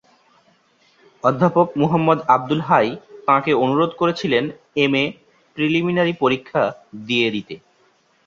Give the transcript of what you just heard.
অধ্যাপক মুহম্মদ আবদুল হাই তাঁকে অনুরোধ করেছিলেন এমএ প্রিলিমিনারি পরীক্ষা দিয়ে দিতে।